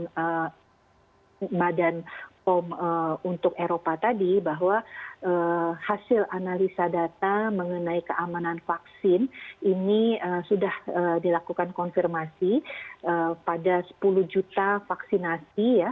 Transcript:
dan badan kom untuk eropa tadi bahwa hasil analisa data mengenai keamanan vaksin ini sudah dilakukan konfirmasi pada sepuluh juta vaksinasi ya